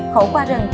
khổ qua rừng